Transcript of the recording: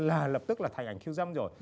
là lập tức là thành ảnh khiêu dâm rồi